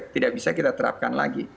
tidak bisa kita terapkan lagi